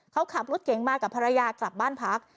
เขาขับรถเก๋งมากับภรรยากลับบ้านพัก